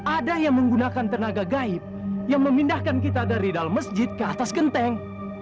ada yang menggunakan tenaga gaib yang memindahkan kita dari dalam masjid ke atas genteng